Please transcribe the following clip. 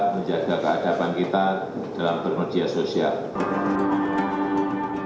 menjaga keadapan kita dalam bermedia sosial